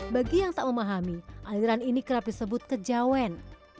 bagi yang tak memahami aliran ini kerap disebut kejawen